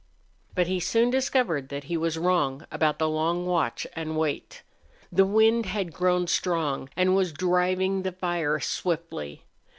But he soon discovered that he was wrong about the long watch and wait. The wind had grown strong and was driving the fire swiftly.